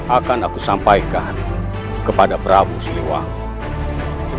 akan aku sampaikan kepada prabu siliwangi